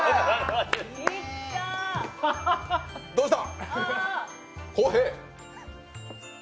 どうした？